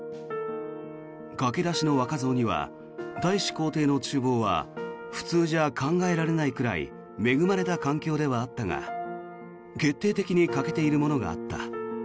駆け出しの若造には大使公邸の厨房は普通じゃ考えられないくらい恵まれた環境ではあったが決定的に欠けているものがあった。